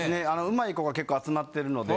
上手い子が結構集まってるので。